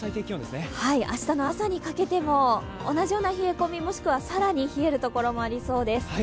明日の朝にかけても同じような冷え込み、もしくは更に冷えるところがありそうです。